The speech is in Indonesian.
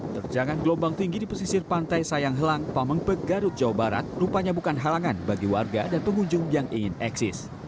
terjangan gelombang tinggi di pesisir pantai sayang helang pamengpe garut jawa barat rupanya bukan halangan bagi warga dan pengunjung yang ingin eksis